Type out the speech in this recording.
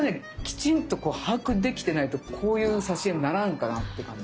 きちんとこう把握できてないとこういう挿絵にならんかなって感じがする。